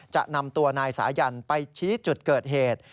จะนำตัวนายสายันไปชี้จุดเกิดเหตุ